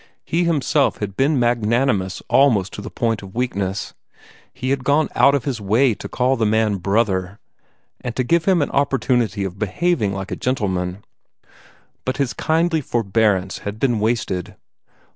He himself had been magnanimous almost to the point of weakness. He had gone out of his way to call the man "brother," and to give him an opportunity of behaving like a gentleman; but his kindly forbearance had been wasted.